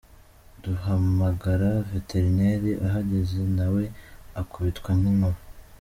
Duhamagara veterineri ahageze na we akubitwa n’inkuba.